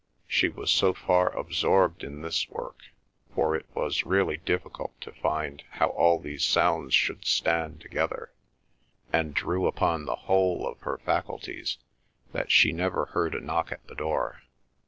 She was so far absorbed in this work, for it was really difficult to find how all these sounds should stand together, and drew upon the whole of her faculties, that she never heard a knock at the door.